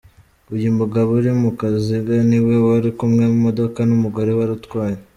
Uyu mugabo uri mu kaziga niwe wari kumwe mu modoka n'umugore wari utwaye.